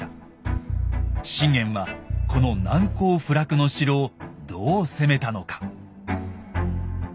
信玄はこの難攻不落の城をどう攻めたのか。